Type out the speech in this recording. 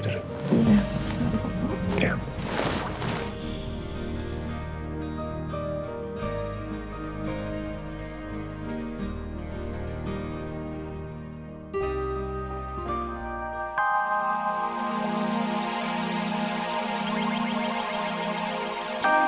siapa saja yang dulu bonci unsur